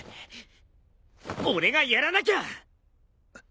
俺がやらなきゃ。